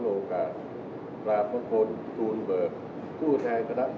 สวัสดีครับสวัสดีครับสวัสดีครับ